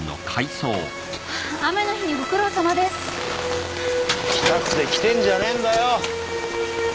雨の日にご苦労さまです来たくて来てんじゃねぇんだよ！